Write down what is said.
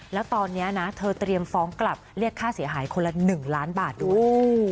แล้วตอนนี้นะเธอเตรียมฟ้องกลับเรียกค่าเสียหายคนละ๑ล้านบาทด้วย